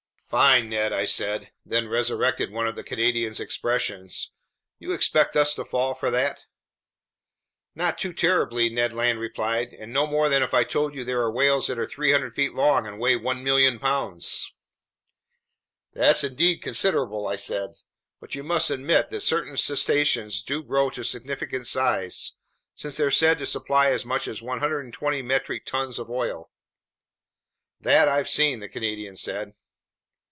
"Fine, Ned," I said, then resurrected one of the Canadian's expressions. "You expect us to fall for that?" "Not too terribly," Ned Land replied, "and no more than if I told you there are whales that are 300 feet long and weigh 1,000,000 pounds." "That's indeed considerable," I said. "But you must admit that certain cetaceans do grow to significant size, since they're said to supply as much as 120 metric tons of oil." "That I've seen," the Canadian said.